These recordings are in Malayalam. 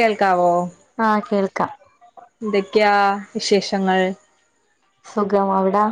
കേൾക്കാവോ ആഹ് കേൾക്കാ എന്തൊക്കെയാ വിശേഷങ്ങൾ. സുഖം അവിടെ.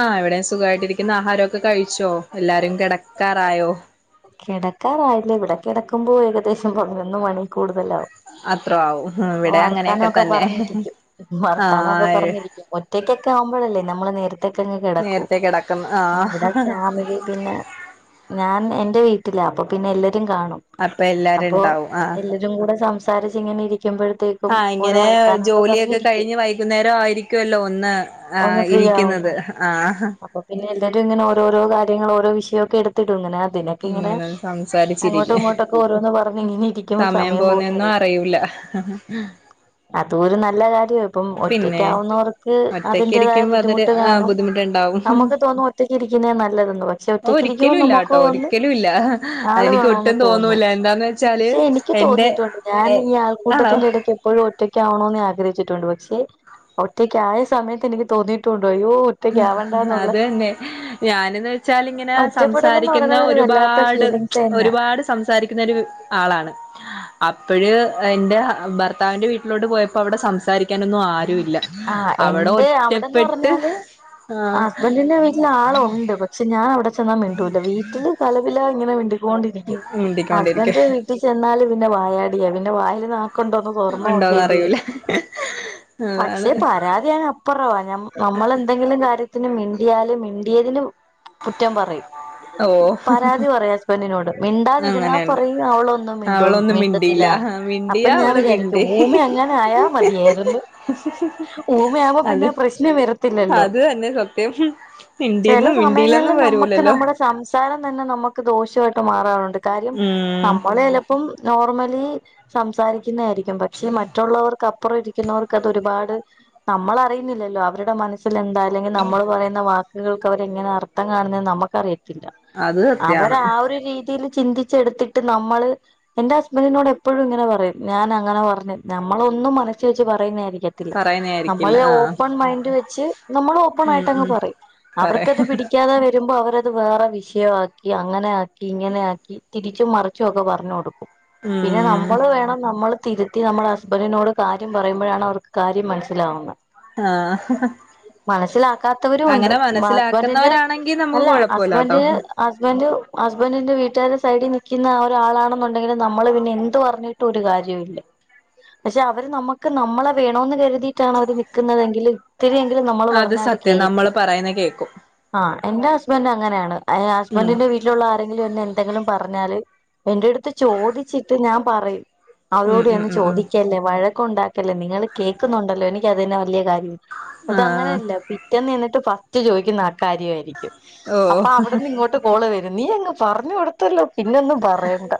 ആഹ്. ഇവിടെയും സുഖായിട്ടിരിക്കുന്ന്. ആഹാര ഒക്കെ കഴിച്ചോ? എല്ലാരും കെടക്കാറായോ? കെടക്കാറായില്ല. ഇവടെ കെടക്കുമ്പോ ഏകദേശം പതിനൊന്ന് മണീ കൂടുതലാവും. അത്ര ആവും ഇവിടെ അങ്ങനെയൊക്കെ വർത്താനൊക്കെ തന്നെ പറഞ്ഞിരിക്കും, വർത്താനൊക്കെ ആഹ് പറഞ്ഞിരിക്കും. ഒറ്റക്കൊക്കെ ആവുമ്പഴല്ലേ നമ്മള് നേരത്തേക്കങ്ങ് കിടക്കു നേരത്തെ കിടക്കുന്നു ആഹ് ഇവടെ ഫാമിലി പിന്നെ ഞാൻ എന്റെ വീട്ടിലാ, അപ്പൊ പിന്നെ എല്ലാരും കാണും. അപ്പ എല്ലാരും ഇണ്ടാവും, ആഹ്. എല്ലാരും കൂടെ സംസാരിച്ച് ഇങ്ങനെ ഇരിക്കുമ്പോഴത്തേക്ക് ആഹ് ഇങ്ങനെ ജോലിയൊക്കെ കഴിഞ്ഞ് വൈകുന്നേരം ആയിരിക്കുവല്ലോ ഒന്ന് ആ ഒന്ന് ഫ്രീ ആവുന്ന ഇരിക്ക്ന്നത് ആഹ്. അപ്പൊ പിന്നെ എല്ലരും ഇങ്ങനെഓരോരോ കാര്യങ്ങൾ ഓരോ വിഷയോക്കെ എട്ത്തിടും ഇങ്ങനെ അതിനെ ഇങ്ങനെ അങ്ങോട്ടോ ഇങ്ങോട്ടൊക്കെ ഓരോന്ന് പറഞ്ഞ് ഇങ്ങനെ ഇരി സമയം പോന്നെന്നും അറിയൂല. അതു ഒരു നല്ല കാര്യാ. ഇപ്പം പിന്നെ ഒറ്റക്കാവുന്നവർക്ക് ഒറ്റക്ക് അതിന്റേതായ ഇരിക്കുമ്പോ അതൊരു ബുദ്ധിമുട്ട് കാണും ബുദ്ധിമുട്ടുണ്ടാവും നമക്ക് തോന്നും ഒറ്റക്കിരിക്കിന്ന നല്ലതന്ന് പക്ഷെ ഓ ഒറ്റക്കിരിക്കിമ്പോ ഒരിക്കലും ഇല്ല നമുക്ക് കേട്ടോ തോന്നും ഒരിക്കലും ഇല്ല ആള് അതെനിക്ക് വേണോന്ന് ഒട്ടും തോന്നും. തോന്നൂല എന്താന്ന് വെച്ചാല് പക്ഷെ എനിക്ക് എന്റെ തോന്നിട്ടുണ്ട് ഞാൻ ഏ ഈ ആണോ ആൾക്കൂട്ടത്തിന്റെ എടയ്ക്ക് പ്പോഴും ഒറ്റയ്ക്കാണോ എന്ന് ആഗ്രഹിച്ചിട്ടുണ്ട് പക്ഷെ ഒറ്റയ്ക്കാ യ സമയത്ത് എനിക്ക് തോന്നിയിട്ടുട്ട് അയ്യോ ഒറ്റയ്ക്ക് ആവണ്ടാന്നുള്ള അതന്നെ ഞാനന്ന് വെച്ചാൽ ഇങ്ങനെ ഒറ്റപ്പെടലെന്ന് സംസാരിക്കുന്ന പറയുന്നത് ഒരു വല്ലാത്ത ഒരുപാട് ഫീലിങ്സ് തന്നെയാ ഒരുപാട് സംസാരിക്കുന്ന ഒരര് ആളാണ് അപ്പൊഴ് എൻ്റെ ഭർത്താവിൻ്റെ വീട്ടിലോട്ട് പോയപ്പ അവിടെ സംസാരിക്കാനൊന്നും ആരുല്ല. ആഹ് അവിടെ എന്റെ അവിടെന്ന് ഒറ്റപ്പെട്ട് പറഞ്ഞാല് ആഹ് ഹസ്ബന്റിന്റെ വീട്ടില് ആളുണ്ട് പക്ഷെ ഞാൻ അവിടെ ചെന്നാ മിണ്ടൂല വീട്ടില് കലപില ഇങ്ങനെ മിണ്ടി കോണ്ടിരിക്കു മിണ്ടിക്കൊണ്ടിരിക്ക ഹസ്ബന്റിന്റെ വീട്ടിൽ ചെന്നാല് പിന്നെ വായാടിയ പിന്നെ വായൽ നാകുണ്ടോ ഇത് തൊറന്നു ഉണ്ടോന്ന് നോക്കേണ്ടി അറിയൂല വരും. പക്ഷെ അതാണ് പരാതി അയ്നപ്പുറവാ നമ്മ നമ്മളെന്തെങ്കിലും കാര്യത്തിന് മിണ്ടിയാല് മിണ്ടിയതിനും കുറ്റം പറിയും ഓ പരാതി പറയാ ഹസ്ബെന്റിനോട് അങ്ങനെണ്ട് മിണ്ടാതിരുന്നാപ്പറയും അവളൊന്നും മിണ്ടു അവളൊന്നും മിണ്ടുന്നില്ല മിണ്ടിയില്ല അപ്പൊ മിണ്ടിയാ ഞാൻ അവള് വിചാരി മിണ്ടി ഊമ എങ്ങാനും ആയാ മതിയായിരുന്നു. ഊമയാവുമ്പോ അത് പിന്നെ പ്രശ്നം വരത്തില്ലല്ലോ അത് തന്നെ സത്യം. ചില മിണ്ടിന്നും സമയങ്ങളിൽ മിണ്ടിയില്ലെന്നും നമുക്ക് വരൂലല്ലോ. നമ്മുടെ സംസാരം തന്നെ നമക്ക് ദോഷായിട്ട് മാറാറ്ണ്ട്. കാര്യം ഉം ഞമ്മളെലപ്പം നോർമലീ സംസാരിക്കിന്നായിരിക്കും പക്ഷേ മറ്റുള്ളവർക്ക് അപ്പുറം ഇരിക്കിന്നവർക്ക് അതൊരുപാട് ന്നമ്മളറിയുന്നില്ലല്ലോ അവരുടെ മനസിൽ എന്ത അല്ലെങ്കിൽ നമ്മൾ പറയുന്ന വാക്ക് ക്ക്‌കൾക്ക് അവരെങ്ങനെ അർത്ഥം കാണുന്നേന്ന് നമക്കറിയത്തില്ല അത് സത്യാണ് അവരാ ഒരു രീതിയിൽ ചിന്തി ച്ചെടുത്തിട്ട് നമ്മള് എന്റെ ഹസ്ബന്റിനോട് എപ്പഴും ഇങ്ങനെ പറയും ഞാൻ അങ്ങനെ പറഞ് നമ്മളൊന്നും മറച്ചു വെച്ച് പറയുന്നെ അറിയത്തില്ല നമ്മൾ പറയുന്നയായിരിക്കില്ല ആഹ് ഓപ്പൺ മൈൻഡ് വെച്ച് നമ്മൾ ഓ ഉം ഓപ്പണിയിട്ടങ്ങ് ഉം പറിം അവർക്കത് പറയാ പിടിക്യാതെ വരുമ്പോ അവര് അത് വേറെ വിഷയക്കി അങ്ങനെ ആക്കി ഇങ്ങനെ ആക്കി തിരിച്ചും മറിച്ചും ഒക്കെ പറഞ്ഞു കൊടുക്കും പിന്നെ ഉം നമ്മള് വേണം നമ്മൾ തിരുത്തി നമ്മുടെ ഹസ്ബറ്റിനോട് കാര്യം പറയുമ്പോഴാണ് അവർക്ക് കാര്യം മനസ്സിലാവുന്ന ആ ഹ മനസ്സിലാക്കാത്തവരു ഉണ്ട് ഹസ്ബൻഡിന്റെ മനസ്സിലാക്കുന്നവരാണെങ്കി നമുക്ക് അല്ല ഹസ്ബന്ഡ് കൊഴപ്പല്ലാട്ടോ ന് ഹസ്ബൻഡ് ഹസ്ബൻഡിന്റെ വീട്ടുകാരെ സൈഡിൽ നിൽക്കുന്ന ഒരാളാണെന്നുണ്ടെങ്കിൽ നമ്മള് പിന്നെ എന്ത് പറഞ് ഒരു കാര്യവുല്ല പക്ഷേ അവര് നമ്മക് നമ്മളെ വേണോന്ന് കരുതിയിട്ടാണ് അവര് നി ൽക്കുന്നതെങ്കില് ഒത്തിരിയെങ്കിലും നമ്മൾ അത് പറഞ്ഞ അവര് സത്യം നമ്മള് കേൾക്കും പറയുന്ന കേക്കും ആഹ് എന്റെ ഹസ്ബൻറ്റ് അങ്ങനെയാണ് ഉം ഹസ്ബൻഡിന്റെ വീട്ട വീട്ടിലുള്ള ആരെങ്കിലും എന്നെ എന്തെങ്കിലും പറഞ്ഞാല് എന്റെ അടുത്ത് ചോദിച്ചിട്ട് ഞാൻ പറയും ഉം അവരോട് ഉം ഒന്ന് ഉം ഉം ചോദിക്കല്ലേ വഴക് ഉണ്ടാക്കല്ലേ നിങ്ങൾ കേക്കുന്നുണ്ടല്ലോ എനിക്ക് അത് വല്ല കാര്യം അത് ആഹ് അങ്ങനെയല്ല പിറ്റേന്ന് ചേന്നിട്ട് ഫസ്റ്റ് ചോദിക്കുന്ന ആക്കാര്യ ആയിരിക്കും ഓഹ് അപ്പൊ അവിടുന്ന് ഇങ്ങോട്ട് കോൾ വരും നീ അങ് പറഞ്ഞു കൊടുത്തല്ലോ പിന്നൊന്നും പറയണ്ട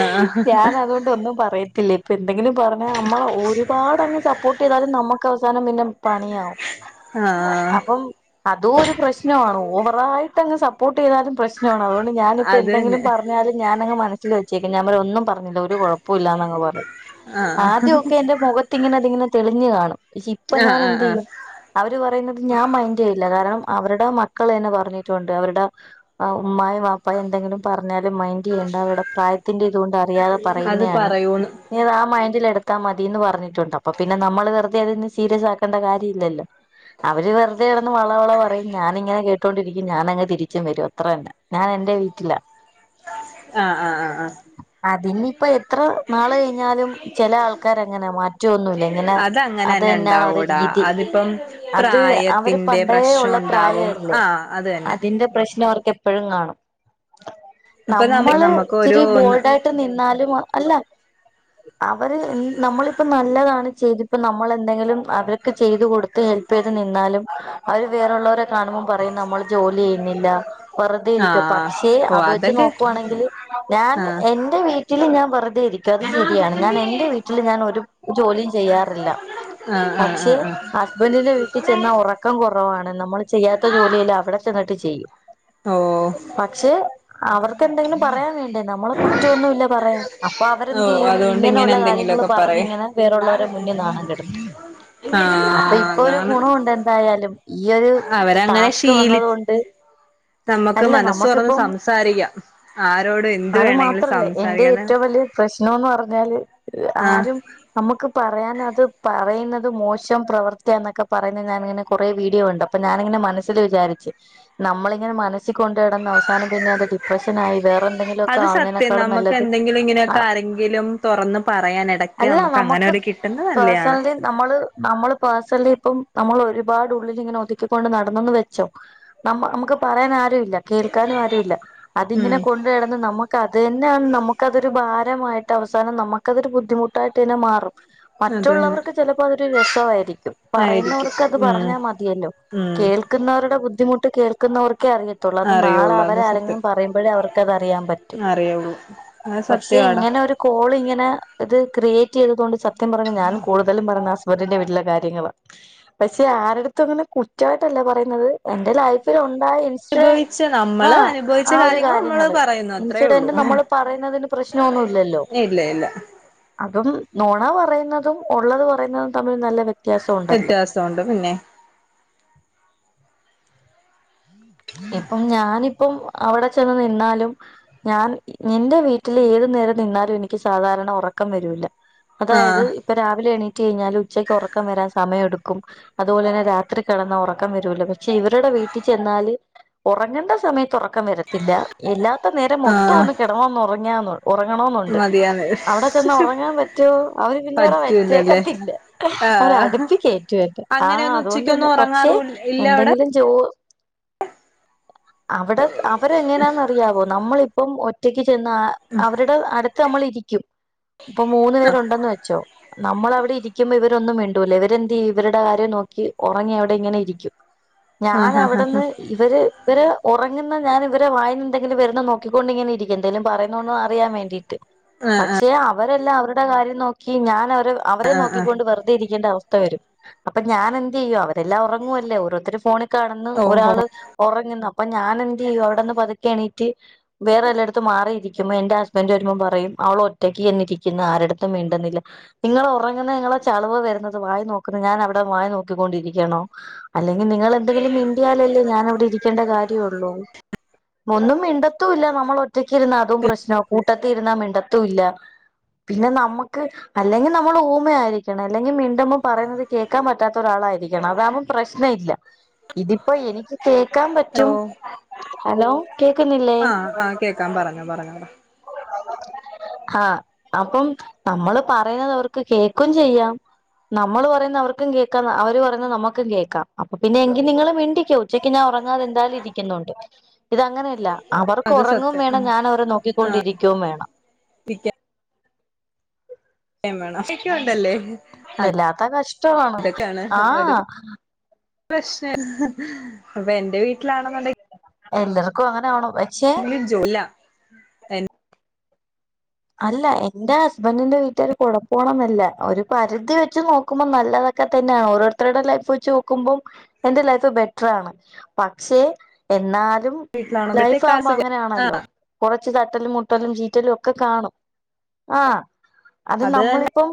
ആഹ് ഞാൻ അതുകൊണ്ട് ഒന്നും പറയത്തില്ല എന്തെങ്കിലും പറഞ്ഞാ നമ്മളെ ഒരുപാട് അങ്ങ് സപ്പോർട്ട് ചെയ്താലും നമ്മക് അവസാനം പിന്നെ പണിയവും ആഹ് അപ്പം അതും ഒരു പ്രശ്നമാണ് ഓവറായിട്ട്ങ്ങ് സപ്പോർട്ട് ചെയ്താലും പ്രശ്നമാണ് അതുകൊണ്ട് ഞാനിപ്പോ അത് എന്തെങ്കിലും തന്നെ പറഞ്ഞു എന്നാലും ഞാനങ് മനസ്സിൽ വെച്ചേക്ക ഞാൻ ഒന്നുംപറഞ്ഞില്ല ഒരു കുഴപ്പമില്ലാന്നങ്ങ് പറയും ആഹ് ആദ്യൊക്കെ എന്റെ മുഖത്തിങ്ങനെതിങ്ങനെ തെളിഞ്ഞു കാണും പക്ഷെ ഇപ്പൊ ആഹ് ഞാൻ ആഹ് എന്ത് ആഹ് ചെയ്യും അവര് പറയുന്നത് ഞാൻ മൈൻഡ് ചെയ്യില്ല കാരണം അവരുടെ മക്കൾ തന്നെ പറഞ്ഞിട്ടുണ്ട് അവരുടെ ആ ഉമ്മയു വപ്പ അപ്പ എന്തെങ്കിലും പറഞ്ഞാല മൈൻഡ് ചെയ്യേണ്ട അവിടെ പ്രായത്തിറെ ഇതുകൊണ്ട് അറിയാതെ അത് പറയുന്നതാണ് പറയൂന്ന് നീ അത് ആ മൈൻഡിൽ എടുത്താൽ മതിന്ന് പറഞ്ഞിട്ടുണ്ടാവും അപ്പൊ പിന്നെ നമ്മള് വെറുതെ അതിന്ന് സീരിയസ് ആക്കേണ്ട കാര്യ ഇല്ലല്ലോ അവര് വെറുതെ ഇട വളവള പറയും ഞാനിങ്ങനെ കേട്ടോണ്ടിരിക്കും ഞാനങ് തിരിച്ചും വരും അത്ര തന്ന ഞാൻ എന്റെ വീട്ടിലാ ആഹ ആ ആ ആ അതിനി ഇപ്പോ എത്ര നാള് കഴിഞ്ഞാലും ചില ആൾക്കാര അങ്ങനെ മാറ്റോന്നുമല്ല ഇങ്ങനെ അതങ്ങനെ അത് തന്നെ തന്നാണ് അവരു ഉണ്ടാവൂടാ രീതി അതിപ്പം അത് അവര് പ്രായത്തിന്റെ പണ്ടേ പ്രശ്നം ഉള്ള ഉണ്ടാവും പ്രായരിക്ക ആഹ് അത് തന്നെ അതിന്റെ പ്രശ്നം അവർക്ക് എപ്പോഴും കാണും ഇപ്പൊ നമ്മ നമ്മള് നമുക്ക് ഒരു ഇച്ചിരി ഒന്ന് ബോൾഡായിട്ട് നിന്നാലും അല്ല അവര് നമ്മള ഇപ്പ നല്ലതാണ് ചെയ്ത് ഇപ്പ നമ്മൾ എന്തെങ്കിലും അവർക്ക് ചെയ്ത് കൊടുത്ത് ഹെല്പ് ചെയ്ത് നിന്നാലും അവര് വേറള്ളവരെ കാണുമ്പോം പറയും നമ്മള് ജോലി ചെയ്യുന്നില്ല വെറുതെ ഇരിക്കും ആഹ് പക്ഷെ ഓഹ് അത് വെച്ച് അതൊക്കെ നോക്കുവാണെങ്കിൽ ഞാൻ ആഹ് എറെ വീട്ടിൽ വീട്ടിൽ ഞാൻ വെറുതെ ഇരിക്കും അത് ശരിയാണ് ഞാൻ എന്റെ വീട്ടില് ഞാൻ ഒരു ജോലിയും ചെയ്യാറില്ല ആഹ് ആഹ് പക്ഷെ ആഹ് ആഹ് ഹസ്ബൻഡന്റെ വീട്ടിൽ ചെന്ന ഉറക്കം കുറവാണ് നമ്മൾ ചെയ്യാത്ത ജോലിയിയില് അവിടെ ചെന്നിട്ട് ചെയ്യും ഓ പക്ഷെ അവർക്ക്ന്തെങ്കിലും പറയാൻ വേണ്ടി നമ്മളെ കുറ്റമൊന്നും ഇല്ല പറയാൻ അപ്പൊ അവരെന്ത് ഓഹ് ചെയ്യും അതുകൊണ്ട് ഇങ്ങനെ ഇങ്ങനെയുള്ള കാര്യങ്ങൾ എന്തെങ്കിലുമൊക്കെ പറയും പറഞ്ഞിങ്ങനെ വരെ മുന്നിൽ നാണം കെടുത്തു അപ്പൊ ആഹ് ഇപ്പൊ ഒരു അതാണ് ഗുണുണ്ട് എന്തായാലും ഈ ഒരു അവരങ്ങനെ ടാസ്ക് ശീലി വന്നത് കൊണ്ട് നമുക്ക് അല്ല മനസ്സ് തുറന്ന് നമുക്കിപ്പം സംസാരിക്കാം ആരോട എന്ത് അത് വേണമെങ്കിലും മാത്രല്ല എന്റെ സംസാരിക്കാം അത ഏറ്റവും വലിയ പ്രശ്നംന്ന് പറഞ്ഞാല് ആഹ് ആരും നമുക്ക് പറയാന അത് പറയുന്നത് മോശം പ്രവർത്തി എന്നൊക്കെ പറയുന്നത് ഞാനിങ്ങനെ കുറേ വീഡിയോ കണ്ട് അപ്പൊ ഞാനിങ്ങനെ മനസ്സിൽ വിചാരിച്ച് നമ്മളിങ്ങനെ മനസ്സി കൊണ്ടടുന്ന അവസ്ഥ അവസാനം പിന്നെ അത് ഡിപ്രഷന ആായി വേറെ എന്തെങ്കിലുമ ഒക്കെ അത് സത്യം ആവുന്നതിനേക്കാളും നല്ലത് ആ തൊറന്ന് പറയാൻ എടയ്ക്ക് നമുക്ക് അങ്ങനെ ഒരു കിട്ടുന്ന് നല്ലയാണ് പേഴ്സണലി നമ്മള് നമ്മള് പേഴ്സണലി ഇപ്പം നമ്മൾ ഒരുപാട്ള്ളിൽ ഇങ്ങനെ ഒതുക്കിക്കൊണ്ട് നടന്നന്ന് വെച്ചോ നമ്മ നമുക്ക് പറയൻ ആരു ഇല്ല കേൾക്കാനും ആരു ഇല്ല അതിങ്ങനെ ഉം കൊണ്ട് നടന്ന് നമുക്ക് അത് തന്നെ നമുക്കതൊരു ഭാരമായിട്ട് അവസാനം നമുക്കതൊരു ബുദ്ധിമുട്ടായിട്ട് ട്ട് പിന്നെ മാറും അത് തന്നെ മറ്റുള്ളവർക്ക് ചിലപ്പോ അതൊരു രസൊവായിരിക്കും ആയിരിക്കും പറയുന്നവർക്ക് അത് ഉം പറഞ്ഞാ മതിയല്ലോ ഉം കേൾ ക്ക്ന്നവരുടെ ബുദ്ധിമുട്ട് കേൾക്കുന്നവർക്കെ അറിയ ത്തൊള്ള് അത് നാളെ അറിയുള്ളൂ അത് അവരാരെങ്കിലും സത്യം പറയുമ്പോഴേ അവർക്ക്ത്റിയാൻ പറ്റു അറിയുള്ളൂ അത് പക്ഷെ സത്യവാടാ ഇങ്ങനെ ഒരു കോൾ ഇങ്ങനെ ഇത് ക്രിയേറ്റ് ചെയ്തുക കൊണ്ട് സത്യം പറഞ്ഞ ഞാനും കൂടുതലും പറഞ്ഞ വ [unintelligible] ന്റെ വീട്ടിലെ കാര്യങ്ങളാ പക്ഷെ ആരെടുത്തും അങ്ങനെ കുറ്റവായിട്ടല്ല പറയുന്നത് എന്റെ ലൈഫിൽ ഉണ്ടായ സ്റ്റ് അനുഭവിച്ച നമ്മള് ആഹ് അനുഭവിച്ച ആ ഒരു കാര്യങ്ങൾ നമ്മള് കാര്യങ്ങള്. പറയുന്നു അത്രേ ഉള്ളൂ ഇൻസിഡന്റ് നമ്മള് പറയുന്നതി പ്രശ്നൊവൊന്നുല്ലല്ലോ ഇല്ല ഇല്ല അപ്പൊ നൊണ പറയുന്നതും ഉള്ളത് പറയുന്നതും തമ്മിൽ നല്ല വ്യ വ്യത്യാസവൊണ്ട് പിന്നെ ഇപ്പം ഞാനിപ്പം അവിടെ ചെന്ന് നിന്നാലും ഞാൻ എ നിന്റെ വീട്ടിൽ ഏതു നേരം നിന്നാലും എനിക്ക് സാധാരണ ഉറക്കം വരൂല്ല അതായത് ആഹ് ഇപ്പൊ രാവിലെ എണീറ്റ് കഴിഞ്ഞാൽ ഉച്ചയ്ക്ക് ഉറക്കം വരാൻ സമയം എടുക്കും അതുപോലെ തന്നെ രാത്രി കിടന്നാ ഉറക്കം വരൂല പക്ഷെ ഇവരുടെ വീട്ടി ചെന്നാല് ഉറങ്ങേണ്ട സമയത്ത് ഉറക്കം വരത്തില്ല എല്ലാത്ത നേരം മൊത്തം ആഹ് ഒന്ന് കിടന്നൊന്ന് ഉറങ്ങിയന്ന് ഉറങ്ങണോന്നുണ്ട് മതിയാന്ന് അവിടെ ചെന്നാ ഉറങ്ങാൻ പറ്റോ അവര് പിന്നെഅവ്ടെ പറ്റൂലല്ലേ വച്ചേക്കത്തില്ല ആഹ് അവരടുപ്പ്‌ കേറ്റുവെന്നെ ആഹ് അങ്ങനെയൊന്നും അതുകൊണ്ട് തന്നെ ഉച്ചക്കൊന്നും പക്ഷെ ഉറങ്ങാറു ഇല്ല അവിടെ എന്തെങ്കിലും ജോ അവിടെ അവരെ എങ്ങനാന്ന് അറിയാവോ നമ്മളിപ്പം ഒറ്റയ്ക്ക് ചെന്ന് അവരുടെ അടുത്ത് നമ്മൾ ഇരിക്കും ഇപ്പൊ മൂന്ന് പേരുണ്ടെന്ന് വെച്ചോ നമ്മള അവിടെ ഇരിക്കുമ്പോൾ ഇവരന്നും വണ്ടൂല്ല ഇവരെന്ത് യ്യും ഇവരുടെ കാര്യം നോക്കി ഉറങ്ങി അവിടെ ഇങ്ങനെ ഇരിക്കും ഞൻ ആഹ് ആഹ് അവിടെന്ന് ഇവര് ഇവര് ഉറങ്ങുന്ന ഞാൻ ഇവരെ വയിന്ന് എന്തെങ്കിലും വരുന്ന നോക്കിക്കൊണ്ടിങ്ങനെ ഇരിക്കും എന്തേലും പറ ന്നൊന്ന് അറിയാൻ വേണ്ടീട്ട് പക്ഷെ അവരെല്ലാം അവരുടെ കാര്യം നോക്കി ഞാൻ അവരെ അവരെ നോക്കിക്കൊണ്ട് വെറുതെ ഇരിക്കേണ്ട അവസ്ഥ സ്ഥ വരും അപ്പൊ ഞാൻ എന്ത് ചെയ്യും അവരെല്ലാം ഉറങ്ങുവല്ലേ ഓരോര്ത്തര് ഫോണിൽ കാണ്ന്ന് ഓഹോ ഒരാള് ഒറങ്ങ്ന്ന് അപ്പൊ ഞാൻ എന്ത് ചെയ്യും അവിടെന്ന് പതുക്കെ എണീട്ട് വേറെ വല്ലായിടത്തും മാറിയിരിക്കുമ്പോ എന്റെ ഹസ്ബൻഡ് വരുമ്പോം പറയും അവള് ഒറ്റയ്ക്ക് ചെന്നിരിക്ക്ന്ന് ആരെട്ത്തും മിണ്ടുന്നില്ല നിങ്ങളൊറങ്ങുന്നത് നിങ്ങളെ ചള് വ് വരുന്നത് വായി നോക്ക്ന്ന് ഞാൻ അവിടെ വായി നോക്കിക്കൊണ്ടിരിക്കണോ അല്ലെങ്കിൽ നിങ്ങളെന്തെങ്കിലും മിണ്ടിയാലല്ലേ ഞ ക്കേണ്ട കാര്യള്ളൂ ഒന്നും മിണ്ടത്തൂല്ല നമ്മളൊ റ്റക്കിരുന്ന അതും പ്രശ്നാ കൂട്ടത്തി ഇരുന്നാ മിണ്ടത്തും ഇല്ല പിന്നെ നമ്മ്ക്ക് അല്ലെങ്കിൽ നമ്മൾ ഊമ ആയിരിക്കണം അല്ലെങ്കിൽ മീണ്ടുമ്മം പറയുന്നത് കേൾക്കാൻ പറ്റാത്ത ഒരാളായിരിക്കണം അതാമ്പം പ്രശ്ന ഇല്ല ഇതിപ്പോ എനിക്ക് കേക്കാൻ ഓ പറ്റും ഹലോ കേക്ക്ന്നില്ലേ ആഹ് അഹ് കേക്കാം പറഞ്ഞോ പറഞ്ഞോ [unintelligible] ആഹ് അപ്പം നമ്മള് പറയുന്നത് അവർക്ക് കേക്കും ചെയ്യാം നമ്മള് പറയുന്ന അവർക്കും കേൾക്കാ അവര് പറയുന്ന നമ്മുക്കും കേൾക്കാ അപ്പൊ പിന്നെ എങ്കിൽ നിങ്ങള് മിണ്ടിക്കൊ ഉച്ചക്ക് ഞാൻ ഉറങ്ങാതെ എന്താലും ഇരിക്കുന്നുണ്ട് ഇത് അങ്ങനെയല്ല അവർക്ക് അത് ഒറങ്ങും സത്യം വേണം ഉം ഞാൻ അവരെ നോക്കിക്കൊണ്ടിരിക്കും വേണം ഇരിക്കാൻ വേണം [unintelligible] ക്കും ഉണ്ടല്ലേ വല്ലാത്ത കഷ്ടവാണ് ആഹ് പ്രശ്ന [unintelligible] അപ്പൊ എന്റെ വീട്ടിലാണെന്നുണ്ടെ എല്ലർക്കും അങ്ങനെ ആവണം പക്ഷേ [unintelligible] ജോലാ അല്ല എന്റെ ഹസ്ബൻ റ്റിന്റെ വീട്ടുകാര് കൊഴപ്പം ഒന്നും ല്ല ഒരു പരിധി വെച്ച് നോക്കുമ്പോ നല്ലത ക്കെ തന്നെയ ഓരോരുത്തരുടെ ലൈഫ് വെച്ച് നോക്കുമ്പോം എന്റെ ലൈഫ് ബെറ്ററാണ് പക്ഷെ എന്നാലും ലൈഫ് വീട്ടിലാണെമ്പഴത്തേക്ക് ആ കുമ്പോ അസുഖം അങ്ങനെയാണല്ലോ ആഹ് കുറച്ച് തട്ടലും മുട്ടലും ചീറ്റലും ഒക്കെ കാണും ആഹ് അത് നമ്മളിപ്പം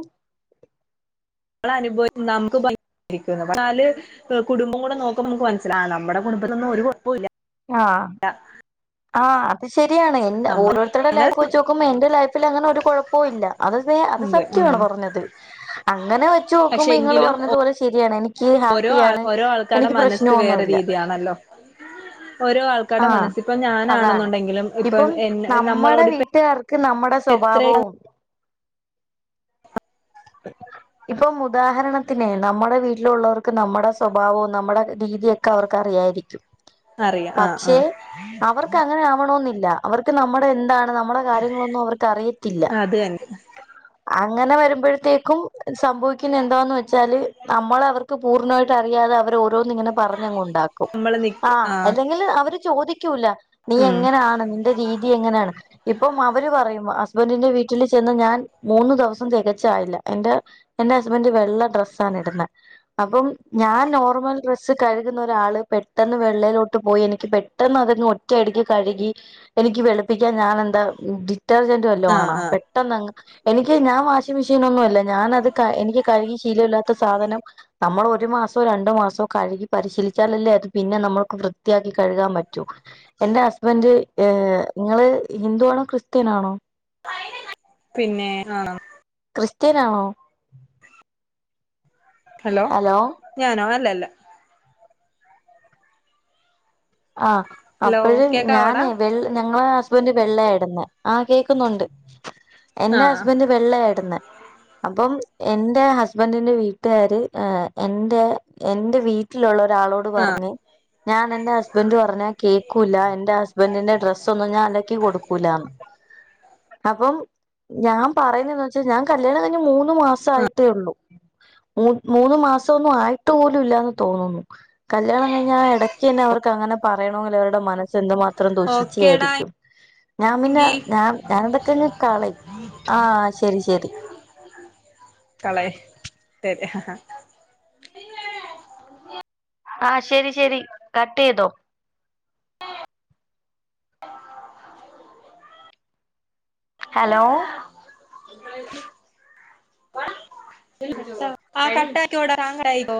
ന അനുഭവം നമുക്ക് ഭംഗരിക്കാല് കുടുംബംകൂടെനോക്കുമ്പോ നമുക്ക് മനസിലാ നമ്മുടെ കുടുംബത്തിലൊന്നും ഒരുകുഴപ്പമില്ല ആഹ് ആഹ് അത് ശരിയാണ് എൻ നമ്മ ഓരോരുത്തരുടെ ലൈഫ് വെച്ച് നോക്കുമ്പോ എന്റെ ലൈഫിൽ അങ്ങനെ ഒരു കൊഴ ല്ല അത് അത് അതെ ഉം സത്യമാണ് പറഞ്ഞത് അങ്ങനെ വെച്ച് പക്ഷെ നോക്കുമ്പോ നിങ്ങള് എങ്കിലും പറഞ്ഞത്പോലെ ശരിയാണ് ഇ നി ഓരോ ഓരോ ആൾക്കാരുടെ മനസ്സ് വേറെ പ്രശ്നമൊന്നുമില്ല രീതിയാണല്ലോ ഓരോ ആൾ ആഹ്അതാണ് ഇപ്പൊ ഇപ്പം എന്നെ നമ്മടെ നമ്മളോടിപ്പ വീട്ടുകാർക്ക് നമ്മുടെ എത്ര സ്വഭാവവും ഇപ്പം ഉദാഹരണത്തിന് നമ്മുടെ വീട്ടിലുള്ളവർക്ക് നമ്മുടെ സ്വഭാവവും നമ്മുടെ രീതിയൊക്കെ അവർക്ക് അറിയായിരിക്കും അറിയാം ആഹ് പക്ഷെ ആഹ് അവർക്ക് അങ്ങനെ ആവണെന്നില്ല അവർക്ക് നമ്മുടെ എന്താണ് നമ്മുടെ കാര്യങ്ങളൊന്നും അവർക്ക് അറിയത്തില്ല അത് തന്നെ അങ്ങനെ വരുമ്പോഴത്തേക്കും സംഭവിക്കുന്ന എന്താന്ന് വച്ചാല് നമ്മള അവർക്ക് ക്ക്പൂർണായിട്ട് അറിയാതെ അവര് ഓരോന്നിങ്ങനെ പറഞ്ഞങ്ങുണ്ടാക്കും. നമ്മള് ആ നിക്ക ആഹ് കില്അവര് ചോദിക്കൂല്ല നീ ഉം എങ്ങനെആണ് ന്റെ രീതി എങ്ങനെയാണ് ഇപ്പം അവര്പറയും ഹസ്ബൻഡിന്റെ വീട്ടില് ചെന്ന് ഞാൻ മൂന്നു ദിവസം തികച്ചായില്ല എന്റെ എന്റെ ഹസ്ബൻറ് വെള്ള ഡ്രസാണ്ണ് ഇടുന്നെ അപ്പം ഞാൻ നോർമൽ ഡ്രസ്സ് കഴുകുന്ന ഒരാള് പെട്ടെന്ന് വെള്ളയിലോട്ട് ട്ട് പോയി എനിക്ക് പെട്ടെന്ന് അതൊന്ന് ഒറ്റയടിക്ക് കഴികി എനിക്ക് വെള്പ്പിക്കാൻ ഞാൻ എന്താ ഡിറ്റർജന്റ് വല്ലൊ ആഹ് ആണോ ആഹ് പെട്ടന്ന് എനിക്ക് ഞാൻ വാഷിമെഷീനെന്നുംല്ല ഞാനത് കഎനിക്ക് കഴ്കിയത് ശീലല്ലാത്ത സാധനം നമ്മൾ ഒരു മാസോ രണ്ട് മാസോ കഴുകി പരിശീലിച്ചാലല്ലേ അത് പിന്നെ നമ്മുക്ക് വൃ വൃത്തിയാക്കി കഴുകാൻ പറ്റൂ എന്റെ ഹസ്ബൻഡ് ഏ നിങ്ങള് ഹിന്ദു ആണോ ക്രിസ്ത്യനാണോ പിന്നെ ആഹ് ക്രിസ്ത്യനാണോ ഹലോ ഞാനോ അല്ലല്ല ആ ഹലോ അപ്പോഴ് കേക്കാവോടാ ഞാനേ വെ ഞങ്ങളെ ഹസ്ബൻറ് വെള്ളേ ഇടുന്നേ ആ കേയ്ക്കുന്നുണ്ട് എന്റെറെ ആഹ് ഹസ്ബന്‌ഡ് വെളേള യിടുന്നേ അപ്പം എന്റെ ഹസ്ബൻറിന്റെ വീട്ടുകാര് എ എന്റെ എൻ്റവീട്ടിലുള്ള ഒരാളോട് പറഞ്ഞ് ഞാൻ എൻ്റ ഹസ് ഹസ്ബൻന്റ് പറഞ്ഞാ കേക്കൂല്ല എന്റെറെ ഹസ്ബൻഡറിന്റെ ഡ്രസ്സ് ഒന്നും ഞാൻഅലക്കി കൊടുക്കൂലാന്ന് അപ്പം ഞാൻ പറയുന്നന്ന് വെച്ചാഞാൻ കല്യാണം കഴിഞ് മൂന്ന് മാസായിട്ടേ ള്ളൂ മൂമൂന്ന് മാസംന്നും ആയിട്ട് പോലും ഇല്ലന്ന് തോന്നുന്നു കല്യാണം കഴിഞാൽ എടക്ക്ന്നെഅവര പറയണ പോലെ അവരുടെ മനസ്സ് എന്തു മാത്രം ഓക്കേടാ ദൂഷിച്ചായിരിക്കും ഞാൻ പിന്നെ എങ്കി ഞാൻ ഞാൻ എടൊക്കെ കാളെ ആ ശരി ശരി. കളെ ശരി ആഹ് ശരി ശരി കട്ട് ചെയ്തോ ഹലോ [inaudible] ആഹ് കട്ടാക്കി ഓടരാൻ കഴിയോ